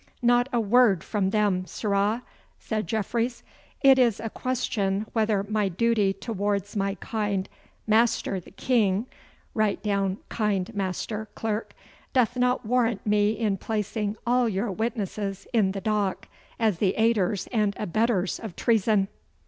'Not a word from them, sirrah,' said Jeffreys. 'It is a question whether my duty towards my kind master the King write down "kind master," clerk doth not warrant me in placing all your witnesses in the dock as the aiders and abettors of treason.